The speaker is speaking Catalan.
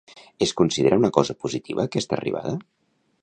Es considera una cosa positiva aquesta arribada?